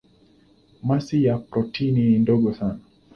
Masi ya protoni ni ndogo sana.